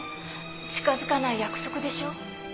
近づかない約束でしょ？